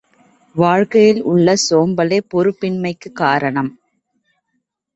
வாழ்க்கையில் உள்ள சோம்பலே பொறுப்பின்மைக்குக் காரணம்.